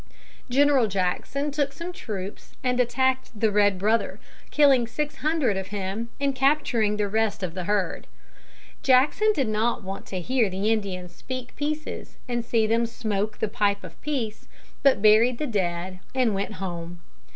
General Jackson took some troops and attacked the red brother, killing six hundred of him and capturing the rest of the herd. Jackson did not want to hear the Indians speak pieces and see them smoke the pipe of peace, but buried the dead and went home.